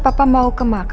biasanya gak pernah